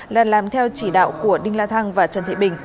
là làm theo chỉ đạo của đinh la thăng và trần thị bình